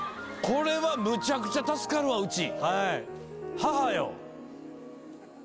これはむちゃくちゃ助かるわうち。